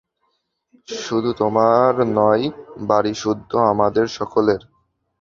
শুধু তোমার নয়, বাড়িসুদ্ধ আমাদের সকলের।